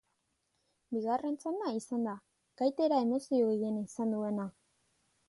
Bigarren txanda izan da gaitera emozio gehien izan duena.